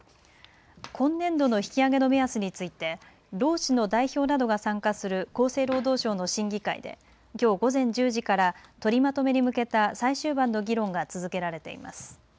今年度の引き上げの目安について労使の代表などが参加する厚生労働省の審議会できょう午前１０時から取りまとめに向けた最終盤の議論が続けられています。